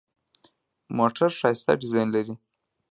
موټر ښایسته ډیزاین لري.